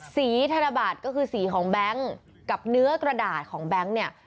ธนบัตรก็คือสีของแบงค์กับเนื้อกระดาษของแบงค์เนี่ย